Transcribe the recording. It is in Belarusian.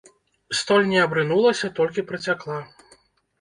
Столь не абрынулася, толькі працякла.